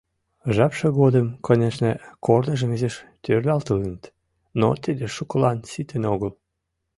Жапше годым, конешне, корныжым изиш тӧрлатылыныт, но тиде шукылан ситен огыл.